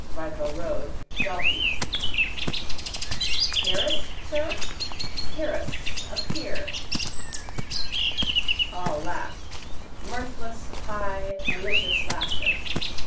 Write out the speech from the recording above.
Vico Road, Dalkey. —Pyrrhus, sir? Pyrrhus, a pier. All laughed. Mirthless high malicious laughter.